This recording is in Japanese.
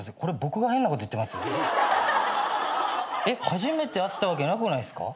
初めて会ったわけなくないすか？